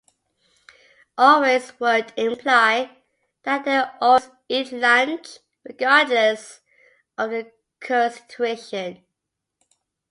"Always" would imply that they always eat lunch, regardless of the current situation.